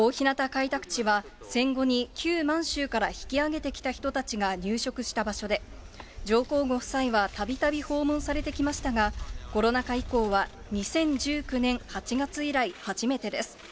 開拓地は、戦後に旧満州から引き揚げてきた人たちが入植した場所で、上皇ご夫妻はたびたび訪問されてきましたが、コロナ禍以降は２０１９年８月以来初めてです。